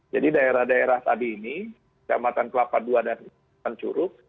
jadi daerah daerah tadi ini kamatan kelapa ii dan tanjuruk